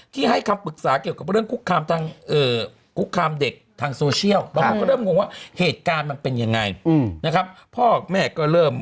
ก็มีคำปรึกษาทางกุ๊กคาม็กทางโซเชียล